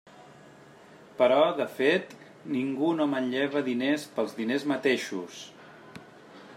Però, de fet, ningú no manlleva diners pels diners mateixos.